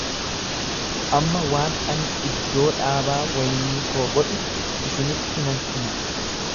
Amma waan ani iddoo dhaabaa waynii koo godhu isinitti nan hima.